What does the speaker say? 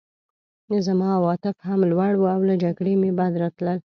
زما عواطف هم لوړ وو او له جګړې مې بد راتلل